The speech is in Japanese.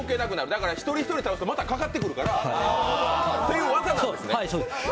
だから１人１人倒すと、またかかってくるからという技なんですね。